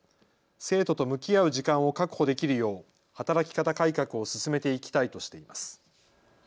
生徒と向き合う時間を確保できるよう働き方改革を進めていきたいとしています。